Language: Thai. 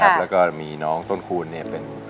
รักกันดีนะครับแล้วก็มีน้องต้นคูณเนี่ยเป็น